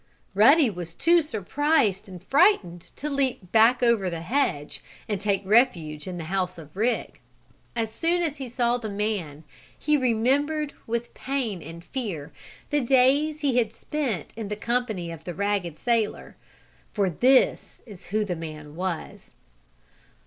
Ruddy was too surprised and frightened to leap back over the hedge and take refuge in the house of Rick. As soon as he saw the man he remembered, with pain and fear, the days he had spent in the company of the ragged sailor for this is who the man was.